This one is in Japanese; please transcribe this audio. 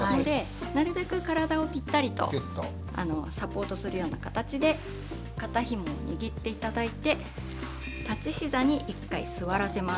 なるべく体をぴったりとサポートするような形で肩ひもを握って頂いて立ちひざに一回座らせます。